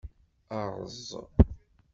Erẓ.